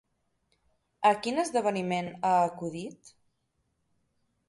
A quin esdeveniment ha acudit?